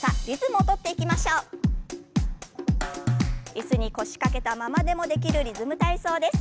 椅子に腰掛けたままでもできるリズム体操です。